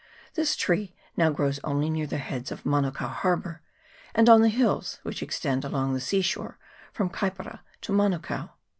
This tree grows now only near the heads of Manukao Har bour, and on the hills which extend along the sea shore from Kaipara to Manukao.